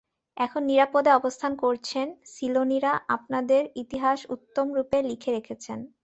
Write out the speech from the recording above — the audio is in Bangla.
এখন নিরাপদে অবস্থান করছেন! সিলোনীরা আপনাদের ইতিহাস উত্তমরূপে লিখে রেখেছে।